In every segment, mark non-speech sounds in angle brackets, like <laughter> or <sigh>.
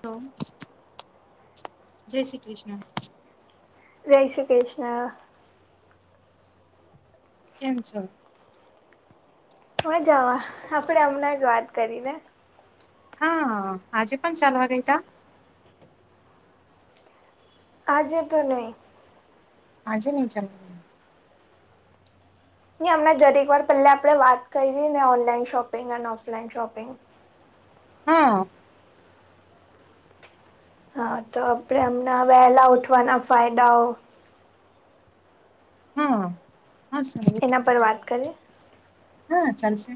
Hello જય શ્રી કૃષ્ણ જય શ્રી કૃષ્ણ કેન્ છો? મજામાં આપણે હમણાં જ વાત કરીને. હા આજે પણ ચાલવા ગઈ તા? આજે તો નહી. આજે નહી ચાલ ની અમના જરીક વાર પહેલા આપણેે વાત કરી ને ઓનલાઈન શોપિંગ અને ઓફલાઈન શોપિંગ. હા હા તો આપણેે હમણા વહેલા ઉઠવાના ફાયદાઓ હા હા સર એના પર વાત કરીએ હા ચાલશે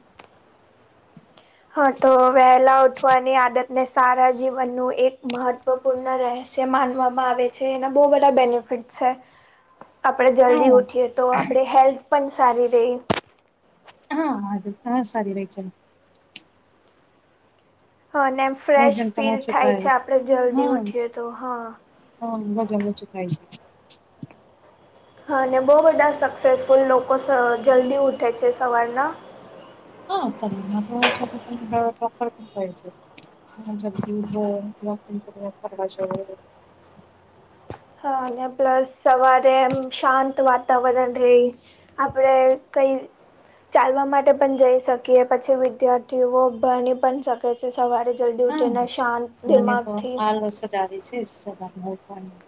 હા તો વહેલા ઉઠવાની આદત અને સારા જીવનનું એક મહત્ત્વપૂર્ણ રહેસ્ય માનવામાં આવે છે એના બહુ બધા બેનિફ ફિટ છે આપણે હા જલ્દી ઉઠીએ તો આપણે હેલ્થ પણ સારી રહી. હા તો સરી રય છે. હ અને એમ ફ્રેશ વજન પણ ફીલ ઓછું થાય છે આપણે જલ્દી હા ઉઠીએ તો હા. હા મજા મજું થાય છે. હા અને બહુ બધા સક્સેસફુલ લોકો જલ્દી ઉઠે છે સવારના. હા સ છ પ્રક પણ કહેે છે. જદી હો <unintelligible> હા અને પ્લસ સવારે એમ શાંત વાતાવરણ રેય. આપણે કંઈ ચાલવા માટે પણ જઈ શકીએ પછી વિદ્યાર્થીઓ ભણી પણ શ કે છે સવારે જલ્દી ઉઠીને શાંત દિમાગથી સજ આવી છે સવાર માં ઉઠવાની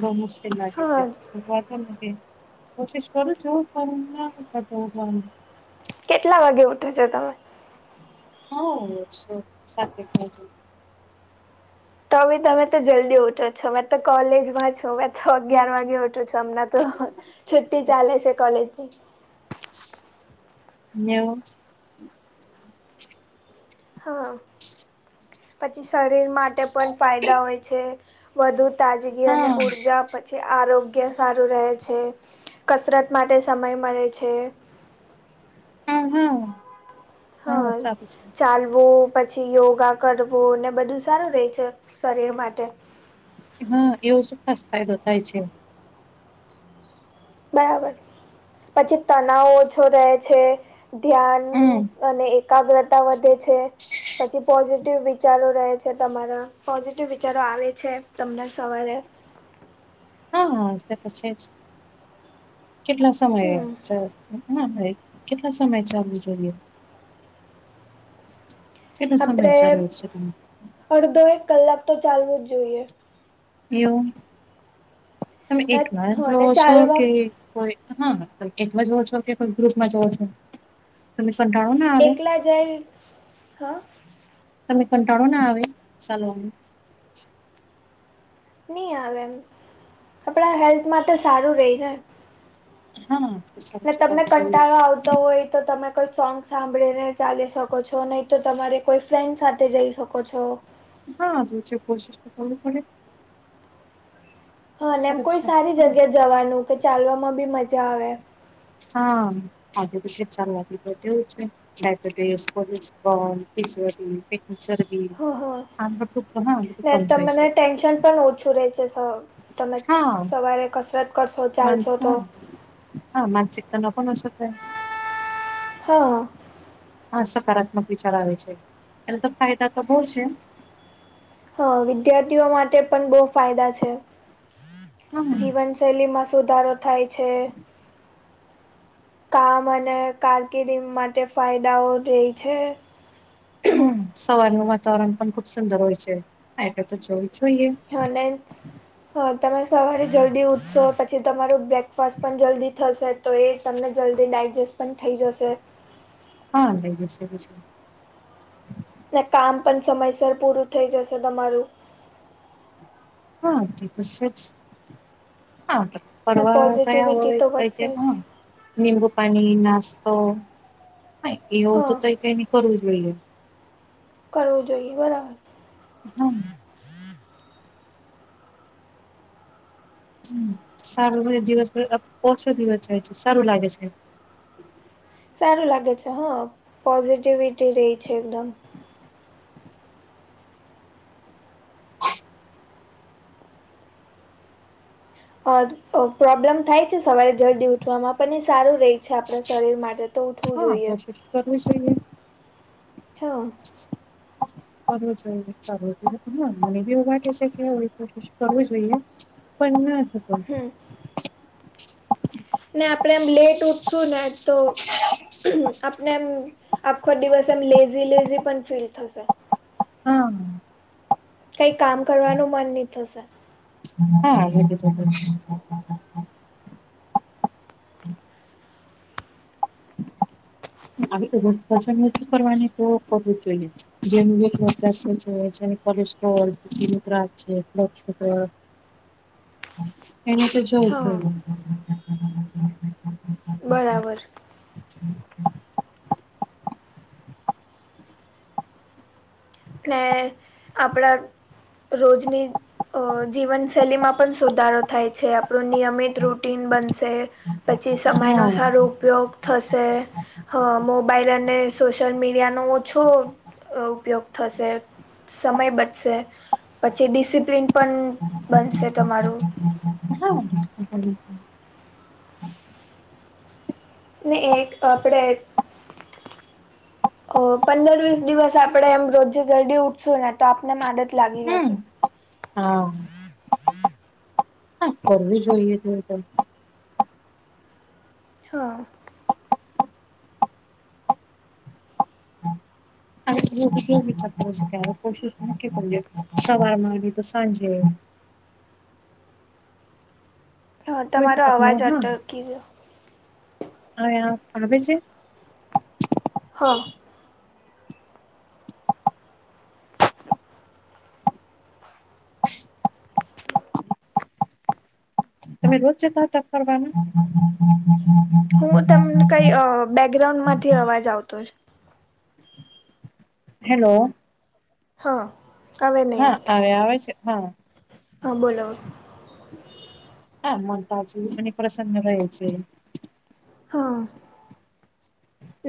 બહુ મુશ્કેલ લાગે હા છે. વા નથી કોશિશ કરું છું પણ કેટલા વાગે ઉઠો છો તમે? હો શ સાતેક વાગે. તો બી તમે તો જલ્દી ઉઠો છો મેં તો કોલેજમાં છો મેં તો અગિયાર વાગે ઉઠો છો. તમને તો છુટ્ટી ચાલે છે કોલેજ ની. નેવું હા, પછી શરીર માટે પણ ફાયદા હોય છે, વધુ તાજગી અને હા ઉર્જા આપે છે, આરોગ્ય સારું રહે છે, કસરત માટે સમય મળે છે. હમ્મ હમ્મ હાય ચાલવો, પછી યોગા કરવું, ને બધું સારું રહે છે શરીર માટે. હા, એવો શું ખાસ ફાયદો થાય છે. બરાબર, પછી તનાવ ઓછો રહે છે. ધ્યાન, હમ અને એકાગ્રતા વધે છે. પછી પોઝિટિવ વિચારો રહે છે તમારા. પોઝિટિવ વિચારો આવે છે, તમને સવારે. હા હા, તે તો છે જ, કેટલા સમયે હમ છે. ના ભાઈ, કેટલા સમય ચાલુ જોઈએ? કેટલો સમય ચાલે આપણે છે તુ? અડધો, એક કલાક તો ચાલવું જ જોઈએ. એવુ, તમે એક ધાર હા અને જોવો છો ચાલવા કે કોઈ હા કોઈ એકમાં જોવો છો કે, કોઈ ગ્રુપમાં જોવો છો, તમને પણ ભાવ ના આવે? એકલા જાય, હા તમને કંટાળો ના આવે ચાલવાનું? ની આવે એમ, આપણા હેલ્થ માટે સારું રહી ને. હા સારું ને છે તમને કંટાળો આવતો હોય તો, તમે કોઈ સોંગ સાંભળીને ચાલી શકો છો, નહીં તો તમારે કોઈ ફ્રેન્ડ સાથે જઈ શકો છો. હા જે છે કોશિસ તો કરવી પડે. હા ને એમ સરસ કોઈ છે સારી હા જગ્યા જવાનું, કે ચાલવામાં બી મજા આવે. હા આદે પીશે ફરવાબી તો તેવું છે. ડબટીસ, <unintelligible> જરબી હ હા, ને કમ તમને થાય છે ટેન્શન પણ ઓછું રે છે. તો, તમે હા સવારે કસરત કરશો, માનસ ચાલશો તો. હા, માનસીક તણાવ પણ ઓછો થાય. હા હા, સકારાત્મક વિચાર આવે છે, એને તો ફાયદા તો બહુ છે. હા, વિદ્યાર્થીઓ માટે પણ બહુ ફાયદા છે, હમ જીવન શૈલીમાં સુધારો થાય છે. કામ અને કારકિર્દીંગ માટે ફાયદાઓ રે છે. હમ સવારનું વાતાવરણ પણ ખુબ સુંદર હોય છે, એટલે તો જોવું જોઈએ. હને હા તમે સવારે જલ્દી ઉઠશો, પછી તમારું બ્રેકફાસ્ટ પણ જલ્દી થશે. તો એ તમને જલ્દી ડાયજેસ્ટ પણ થઈ જશે. હા <unintelligible> ને કામ પણ સમયસર પૂરું થઈ જશે તમારું. હા, તેતો છેજ, <unintelligible> ને પરવા કયા પોઝિટિવિટી હોય, તો તઈ તે વધશે જ હોય નિમબું પાણી, નાસ્તો હાઈ એવું તો હા તઈએ એને કરું જ જોઈએ. કરવું જોઈએ બરાબર. હા હમ્મ, સારું મે દિવસભર ઓછો દિવસ જાય છે, સારું લાગે છે સારું લાગે છે હા, પોઝિટિવિટી રહી છે એકદમ. <inaudible> અ પ્રોબ્લેમ થાય છે સવારે જલ્દી ઉઠવામાં પણ એ સારું ર રહે છે આપણા શરીર માટે. તો ઉઠવું હા જોઈએ કોશિશ કરવી જોઈએ. હા કરવું જોઈએવ જોઈએ હ મને બીવગાટે છે કે કરવું જોઈએ. પણ ન હમ. ને આપણે એમ લેટ ઉઠશુ ને તો આપણે એમ આખો દિવસ એમ લેઝી લેઝી પણ ફીલ થશે. હમ. કઈ કામ કરવાનું મન નહી થશે. હા. આવી નથી કરવાની તો કરવું જ જોઈએ. જેનું જેસ્ છે જે કોલેસ્ટ્રોલ ન ત્રાસ છે બ્ગર. હ <inaudible> એને તો જોય થયું. બરાબર. હમ <inaudible> ને, આપણા રોજની અ જીવનશૈલીમાં પણ સુધારો થાય છે આપણું નિયમિત રૂટીન બનશે. પછી સમયનો હા સારો ઉપયોગ થશે, હ મોબાઈલ અને સોશિયલ મીડિયાનો ઓછો ઉપયોગ થશે, સમય બચશે. પછી ડિસિપ્લિન પણ બનશે તમારું. <unintelligible> ને એક આપડે પંદર વીસ દિવસ આપડે એમ રોજે જલ્દી ઉઠશું ને તો આપને આદદ લાગી હમ જશે. હા. હા કરવી જોઈએ તો હા. કોશિશ તો કરવી જોય સવારમાં તો સાંજે. હા કેવું છે તમારો અવાજ આપનું અટકી રહ્યો હા આવે છે? હા. તમે રોજ જતા હતા ફરવામાં? હું તમને કઈ બેકગ્રાઉન્ડ માંથી અવાજ આવતો હોય છે. હેલો. હા હવે નહી હા આવતું, આવે આવે છે હા હા બોલો. હા મનતા છે અને પ્રસન્ન રહ્યા છે. હા,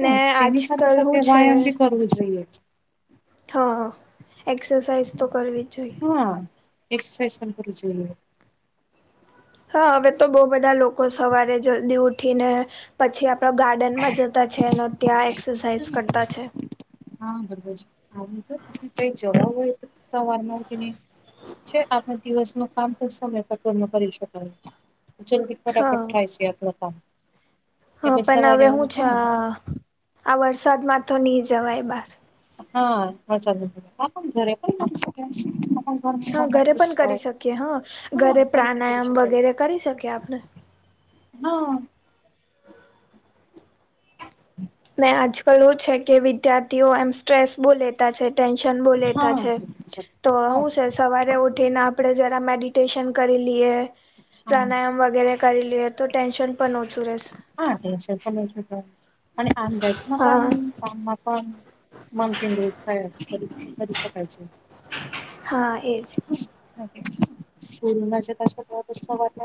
ને આજ તેની સાથે કાલ હું સાથે છે. વ્યાયામ બી કરવું જ જોઈએ. હા, એક્સરસાાઈઝ તો કરવી જ જોઈએ. હા એક્સરસાઇઝ કરવી જોઈએ. હા હવે તો બહુ બધા લોકો સવારે જલ્દી ઉઠીને પછી આપણા ગાર્ડનમાં જતા છે ત્યાં એક્સરસાઇઝ કરતા છે. હા બરાબરજી આવ <unintelligible> તો કઈ જવાબ સવાર ના ઉઠી ને શું છે આપણા દિવસ નું કામ તો સમય કટોર ન કરી શકાય. જલ્દી હા ફટાફટ થાય છે આપણુ કામ. હ એટલે પણ સવારે હવે એવું હું છે થાય આ, વરસાદમાં તો નહી જવાય બાર. હા વરસાદમા ઘરે પણ ઘરમાં હા કામ ઘરે પણ શકાય કરી શકીએ હા, હા ઘરે પણ કરી પ્રાણાયામ શકાય વગેરે કરી શકીએ આપણે. હા <unintelligible> ને આજકાલ એવુ છે કે વિદ્યાર્થીઓ એમ સ્ટ્રેસ બો લે તા છે ટેન્શન બો લતા હા છે બસ તો હું છે સવારે ઉઠીને આપણે જરા મેડિટેશન કરી લઈએ હા પ્રાણાયામ વગેરે કરી લેએ તો ટેન્શન પણ ઓછું રહેશે હા ટેનસન પણ ઓછું થાય અને આમ ગેસ માં હા પણ કામમાં પણ મન કેન્દ્રિત કરી શકાય છે. હા એજ <inaudible> સુર ના જતા જતા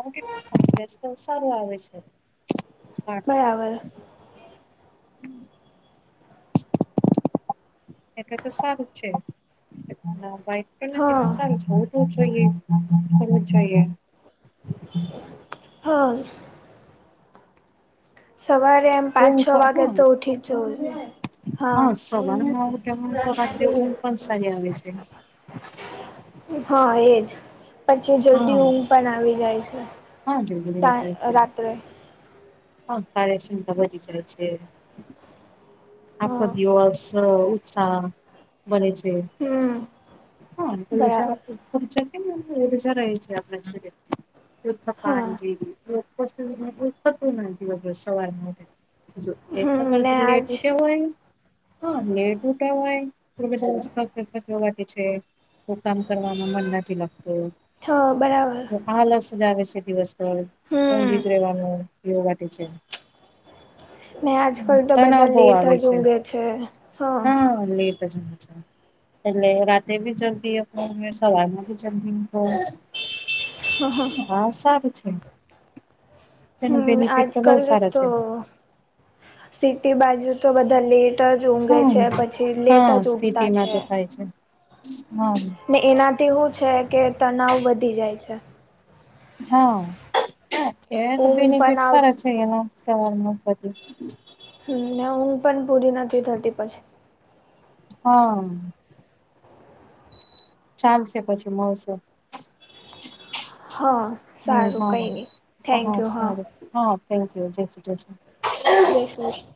નેશનલ સારું આવે છે. આવર <unintelligible> એટલે તો સારું છે વાઈક જે હા સારું છે ઓ વું જોઈએ કરવુ જોઈએ હા સવારે આમ પાંચ છ ઊંઘ વાગે પણ તો હ ઉઠી જ જવું જોઈએ હા સવારમાં ઉઠવામાં તો રાત્રે ઊંઘ પણ સારી આવે છે હા એજ પછી જલ્દી હા ઊઘ પણ આવી જાય છે. હા જલ્દી સા જાય છે રાત્રે હા કાયૅશમતા વધી જાય છે. આખો હા દિવસ ઉત્સાહ બને છે. હમ હા ઉર્જા બરાબર કેમ ઉર્જા રહે છે આપણા શરીરમાં. હા પાણી જેવી <unintelligible> સવારમાં જો એ થર હમ વાર ને આજ જઈએ હા લેટુટા હોય <unintelligible> છે. તો કામ કરવાના મન નાથી લાગતો હ બરાબર તો આાલસ જાવે છે દિવસ ભર હમ ઊંઘી જ રહેવાનું યો વાટી છે. મેં આજ કલ તો બદલ બહ આવે છે હા લેટ જ મજા એટલે રાતે ભી જલ્દી સવારમા ભી જલ્દી ઉઠો હા હા હા સારું છે તેનો હમ બેનિફિટ તો બહુ આજકાલ સારા તો છે. સિટી બાજુ તો બધા લેટ જ ઊંઘે હા છે પછી લેટ હા જ ઉઠતા સિટીમાં છે. તો થાય છે હા ને એનાથી હુ છે કે તનાવ વધી જાય છે. હા એ તો ઊંઘ પણ બેનિફિટ આવ સારા છે એના સવારમાં બધું હમ ને ઊંઘ પણ પૂરી નથી થતી પછી હા ચાલશે પછી મળશે હા હમ સારું હા કંઈ નહીં સા થેન્ક યુ હા સારું હા થેન્કયુ જય શ્રી કૃષ્ણ જય સી ક્રિષ્ના